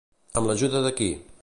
Amb l'ajuda de qui?